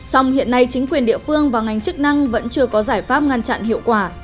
song hiện nay chính quyền địa phương và ngành chức năng vẫn chưa có giải pháp ngăn chặn hiệu quả